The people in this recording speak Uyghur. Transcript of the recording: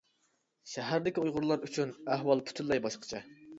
شەھەردىكى ئۇيغۇرلار ئۈچۈن ئەھۋال پۈتۈنلەي باشقىچە.